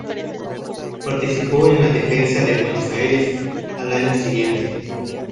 Participó en la defensa de Buenos Aires al año siguiente.